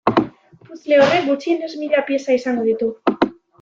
Puzzle horrek gutxienez mila pieza izango ditu.